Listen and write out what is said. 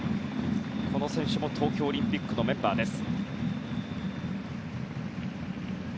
この選手も東京オリンピックのメンバーです。